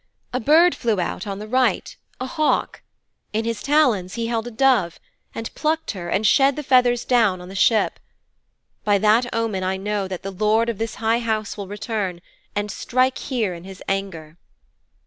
A bird flew out on the right, a hawk. In his talons he held a dove, and plucked her and shed the feathers down on the ship. By that omen I know that the lord of this high house will return, and strike here in his anger.'